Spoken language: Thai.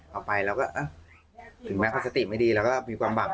เอาไปเราก็ถึงแม้เขาสติไม่ดีแล้วก็มีความหวัง